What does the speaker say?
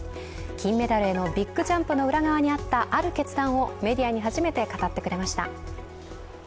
金メダルへのビッグジャンプの裏側にあった、ある決断をメディアに初めて語ってくれました。